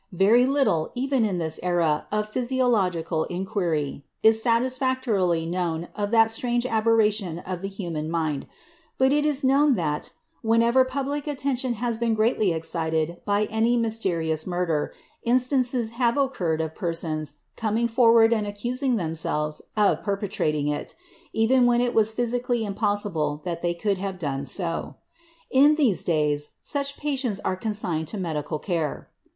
Very little, even in this era of physiological inquiry, is satisfactorily known of that strange aberration of the human mind ; but it is known that, whenever public attention has been greatly excited by any myste rious murder, instances have occurred of persons coming forward and accusing themselves of perpetrating it, even when it was physically im possible that they could have so done. In these days, such patients are eoosigned to medical care.